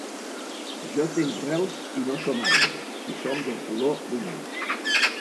Jo tenc rels i no som arbre, i som del color d’un all.